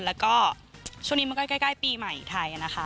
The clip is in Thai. แล้วก็ช่วงนี้มันก็ใกล้ปีใหม่ไทยนะคะ